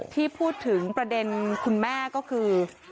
ที่พูดถึงประเด็นคุณแม่ก็คือ